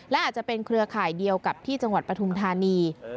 และอาจจะเป็นเครือข่ายเดียวกับที่จังหวัดปฐุมธานี